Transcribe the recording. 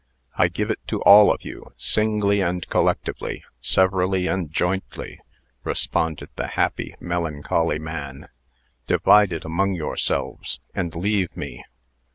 "I give it to all of you, singly and collectively, severally and jointly," responded the happy, melancholy man. "Divide it among yourselves, and leave me."